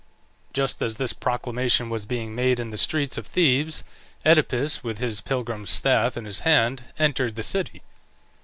Just as this proclamation was being made in the streets of Thebes Oedipus, with his pilgrim's staff in his hand, entered the city.